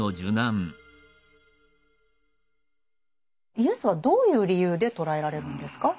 イエスはどういう理由で捕らえられるんですか？